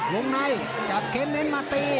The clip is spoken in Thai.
ลงในกับเข้นเห็นมาตี